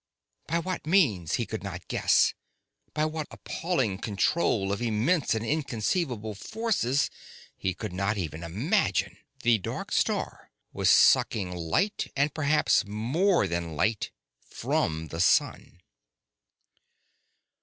By what means he could not guess, by what appalling control of immense and inconceivable forces he could not even imagine, the dark star was sucking light and perhaps more than light from the sun!